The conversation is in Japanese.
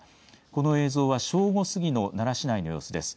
この映像は正午過ぎの奈良市内の様子です。